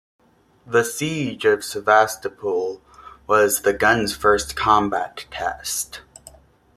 The siege of Sevastopol was the gun's first combat test.